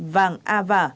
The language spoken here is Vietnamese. vàng a vả